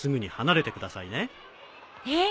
えっ？